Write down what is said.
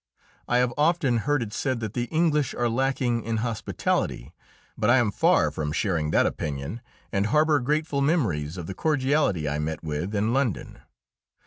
I have often heard it said that the English are lacking in hospitality, but I am far from sharing that opinion, and harbour grateful memories of the cordiality I met with in London.